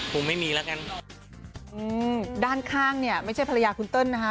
คงไม่มีแล้วกันอืมด้านข้างเนี่ยไม่ใช่ภรรยาคุณเติ้ลนะคะ